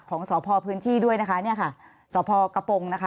ของสอบพอพื้นที่ด้วยนะคะสอบพอกระโปรงนะคะ